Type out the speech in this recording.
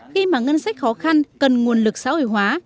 khi mà ngân sách khó khăn cần nguồn lực xã hội hóa